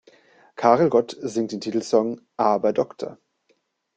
Karel Gott singt den Titelsong "Aber Doktor".